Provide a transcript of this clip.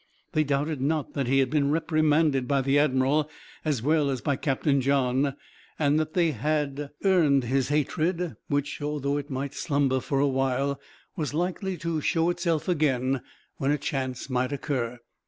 They doubted not that he had been reprimanded by the admiral, as well as by Captain John, and that they had earned his hatred; which, although it might slumber for a while, was likely to show itself again, when a chance might occur.